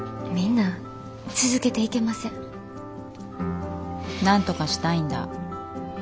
なんとかしたいんだ？